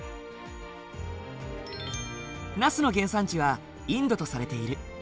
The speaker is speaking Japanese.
ナスの原産地はインドとされている。